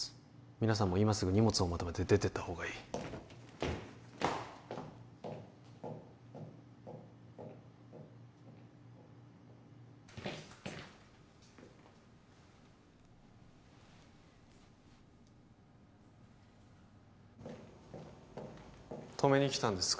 皆さんも今すぐ荷物をまとめて出ていった方がいい止めに来たんですか？